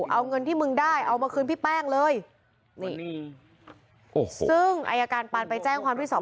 เอาเงินที่มึงได้เอามาคืนพี่แป้งเลยนี่โอ้โหซึ่งอายการปานไปแจ้งความที่สอบ